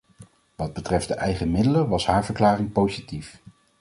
Wat betreft de eigen middelen was haar verklaring positief.